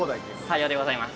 さようでございます。